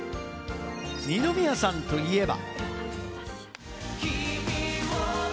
二宮さんといえば。